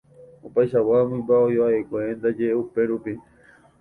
Opaichagua mymba oĩva'ekue ndaje upérupi.